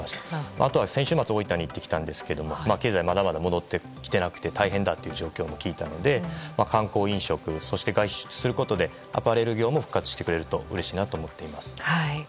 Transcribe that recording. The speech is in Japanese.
あと、先週末大分に行ってきたんですが経済まだまだ戻ってきていなくて大変だという状況を聞いたので、観光、飲食そして外食することでアパレル業も復活してくれるとうれしいなと思っています。